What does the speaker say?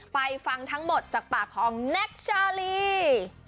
ไปฟังทั้งหมดจากปากของแน็กชาลี